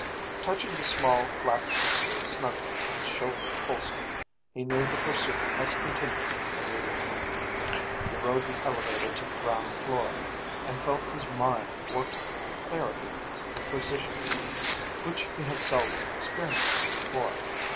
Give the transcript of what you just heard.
Touching the small flat pistol snuggling in its shoulder holster, he knew the pursuit must continue immediately. He rode the elevator to the ground floor, and he felt his mind working with a clarity and a precision which he had seldom experienced before.